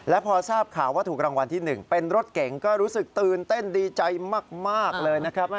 และพอทราบข่าวว่าถูกรางวัลที่๑เป็นรถเก่งก็รู้สึกตื่นเต้นดีใจมากเลยนะครับ